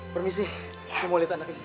permisi saya mau liat anak istri saya